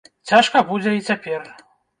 Цяжка будзе і цяпер.